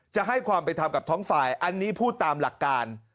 จะให้ความเป็นธรรมกับท้องฝ่ายอันนี้พูดตามหลักการ